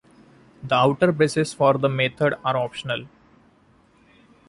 The outer braces for the method are optional.